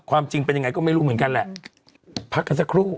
ความจริงเป็นยังไงก็ไม่รู้เหมือนกันแหละพักกันสักครู่